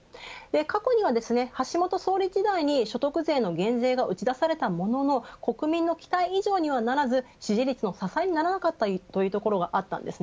過去には、橋本総理時代に所得税の減税が打ち出されたものの国民の期待以上にはならず支持率の支えにならなかったというところがあります。